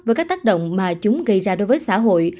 với các tác động mà chúng gây ra đối với xã hội